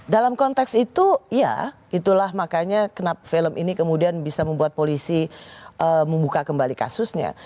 dalam konteks itu ya itulah makanya kenapa film ini kemudian bisa membuat polisi membuka kembali kasusnya